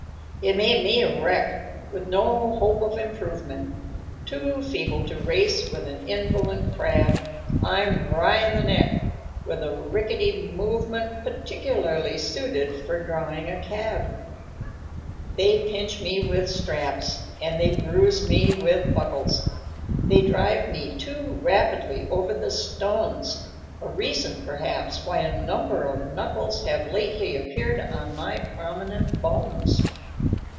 _It made me a wreck, with no hope of improvement, Too feeble to race with an invalid crab; I'm wry in the neck, with a rickety movement Peculiarly suited for drawing a cab._ _They pinch me with straps, and they bruise me with buckles, They drive me too rapidly over the stones; A reason, perhaps, why a number of knuckles Have lately appeared on my prominent bones.